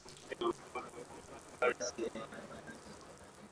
ukuaji wa mtandao umeongeza usikilizaji wa redio